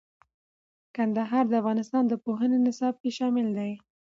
کندهار د افغانستان د پوهنې نصاب کې شامل دی.